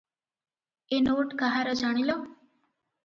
"ଏ note କାହାର ଜାଣିଲ?"